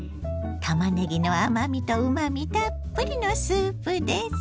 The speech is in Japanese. たまねぎの甘みとうまみたっぷりのスープです。